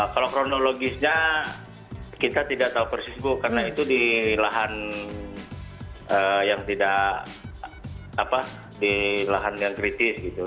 kalau kronologisnya kita tidak tahu persis bu karena itu di lahan yang tidak apa di lahan yang kritis gitu